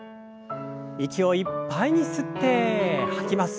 息をいっぱいに吸って吐きます。